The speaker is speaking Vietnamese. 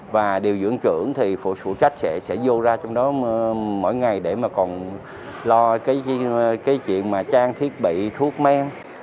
và điều dưỡng trưởng thì phụ trách sẽ vô ra trong đó mỗi ngày để mà còn lo cái chuyện mà trang thiết bị thuốc men